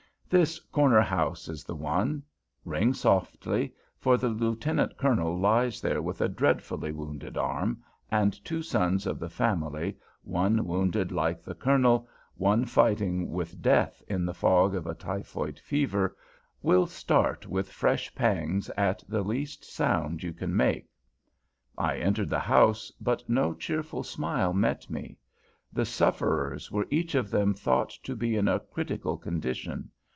This corner house is the one. Ring softly, for the Lieutenant Colonel lies there with a dreadfully wounded arm, and two sons of the family, one wounded like the Colonel, one fighting with death in the fog of a typhoid fever, will start with fresh pangs at the least sound you can make. I entered the house, but no cheerful smile met me. The sufferers were each of them thought to be in a critical condition.